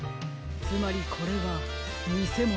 つまりこれはにせもの。